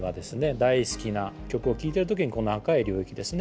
大好きな曲を聴いてる時にこの赤い領域ですね